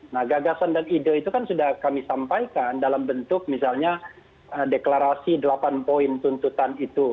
nah gagasan dan ide itu kan sudah kami sampaikan dalam bentuk misalnya deklarasi delapan poin tuntutan itu